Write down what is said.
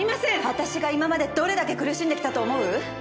私が今までどれだけ苦しんできたと思う？